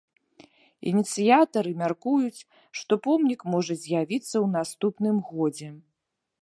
Ініцыятары мяркуюць, што помнік можа з'явіцца ў наступным годзе.